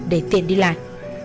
để tiện đi lại